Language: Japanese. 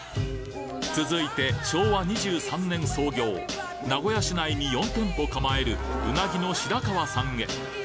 続いて昭和２３年創業、名古屋市内に４店舗構える、うなぎのしら河さんへ。